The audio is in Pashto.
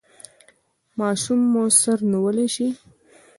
ماشوم مو سر نیولی شي؟